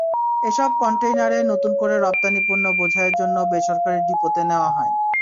এসব কনটেইনারে নতুন করে রপ্তানি পণ্য বোঝাইয়ের জন্য বেসরকারি ডিপোতে নেওয়া হয়।